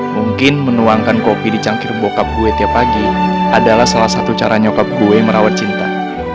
mungkin menuangkan kopi di cangkir bokap gue tiap pagi adalah salah satu cara nyokap gue merawat cinta